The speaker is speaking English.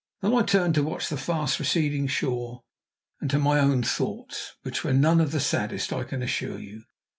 Then I turned to watch the fast receding shore, and to my own thoughts, which were none of the saddest, I can assure you.